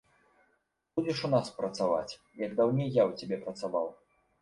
Будзеш у нас працаваць, як даўней я ў цябе працаваў.